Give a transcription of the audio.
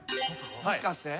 もしかして？